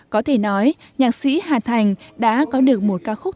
có thể nói nhạc sĩ hà thành đã có được một ca khúc